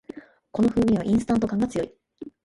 この風味はインスタント感が強い